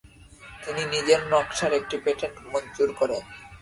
তিনি নিজের নকশার একটি পেটেন্ট মঞ্জুর করেন।